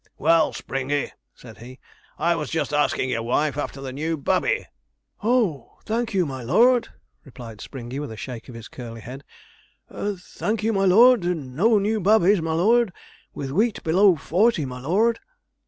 'Well, Springey,' said he, 'I was just asking your wife after the new babby.' 'Oh, thank you, my lord,' replied Springey, with a shake of his curly head; 'thank you, my lord; no new babbies, my lord, with wheat below forty, my lord.'